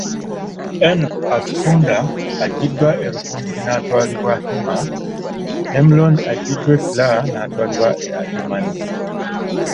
Enock Atukunda aggiddwa e Rukungiri n'atwalibwa Hima, Emuron aggiddwa e Kira n'atwalibwa e Adjumani.